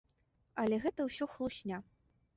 Але гэта ўсё хлусня!